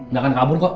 gak akan kabur kok